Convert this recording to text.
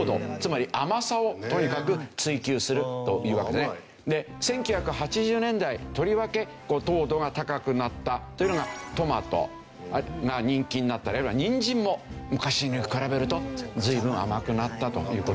で１９８０年代とりわけ糖度が高くなったというのがトマトが人気になったりあるいはニンジンも昔に比べると随分甘くなったという事。